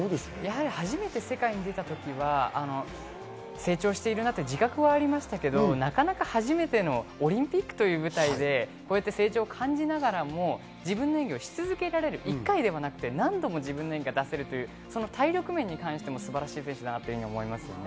初めて世界に出たときは成長しているなという自覚はありましたけれども、なかなか初めてのオリンピックという舞台で、成長を感じながらも自分の演技をし続けられる１回ではなくて何度も自分の演技が出せるという、体力面に関しても素晴らしい選手だなと思いましたね。